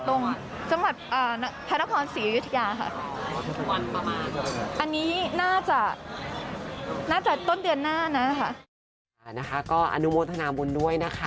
ตรงจังหวัดพระนครศรีอยุธยาค่ะ